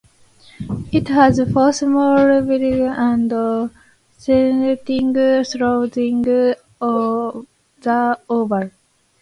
It has four small pavilions and seating surrounding the oval.